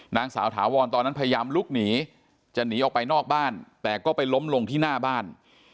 นางสาวถาวรตอนนั้นพยายามลุกหนีจะหนีออกไปนอกบ้านแต่ก็ไปล้มลงที่หน้าบ้าน